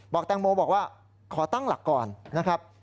แตงโมบอกว่าขอตั้งหลักก่อนนะครับ